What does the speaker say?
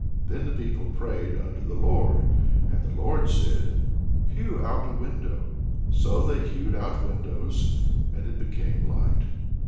Then the people prayed unto the Lord. And the Lord said: 'Hew out a window!' So they hewed out windows, and it became light."